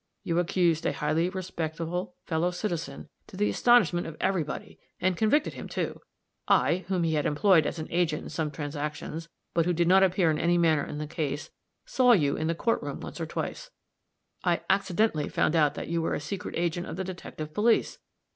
You accused a highly respectable fellow citizen, to the astonishment of everybody, and convicted him, too. I, whom he had employed as an agent in some transactions, but who did not appear in any manner in the case, saw you in the court room once or twice. I accidentally found out that you were a secret agent of the detective police.